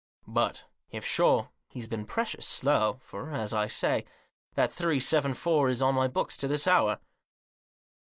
But, if sure, he's been precious slow; for, as I say, that three seven four is on my books to this hour."